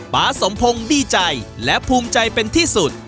๊าสมพงศ์ดีใจและภูมิใจเป็นที่สุด